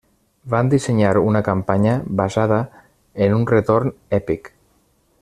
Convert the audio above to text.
Van dissenyar una campanya basada en un retorn èpic.